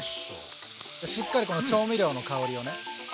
しっかりこの調味料の香りをね。